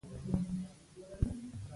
موږ د صحرا خټه ولیده.